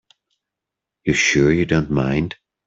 You're sure you don't mind?